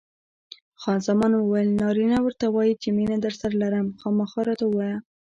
خان زمان وویل: نارینه ورته وایي چې مینه درسره لرم؟ خامخا راته ووایه.